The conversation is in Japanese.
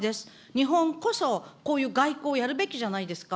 日本こそこういう外交をやるべきじゃないですか。